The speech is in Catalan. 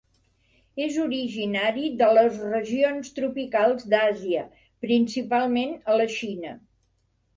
És originari de les regions tropicals d'Àsia, principalment a la Xina.